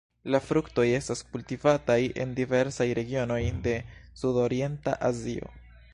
La fruktoj estas kultivataj en diversaj regionoj de sudorienta Azio.